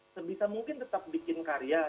sebisa mungkin tetap bikin karya